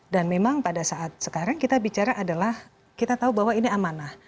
memang pada saat sekarang kita bicara adalah kita tahu bahwa ini amanah